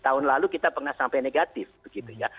tahun lalu kita pernah sampai negatif begitu ya